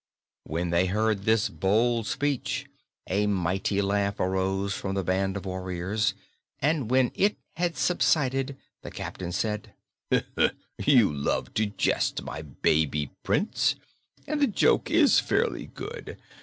When they heard this bold speech a mighty laugh arose from the band of warriors, and when it had subsided the captain said: "You love to jest, my baby Prince, and the joke is fairly good.